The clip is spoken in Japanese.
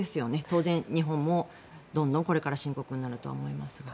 当然、日本もどんどんこれから深刻になると思いますが。